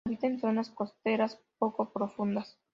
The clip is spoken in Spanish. Habita en zonas costeras poco profundas.